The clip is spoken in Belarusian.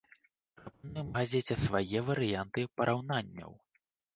Прапануем газеце свае варыянты параўнанняў.